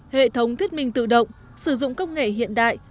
hệ thống thuyết minh tự động sử dụng công nghệ hiện đại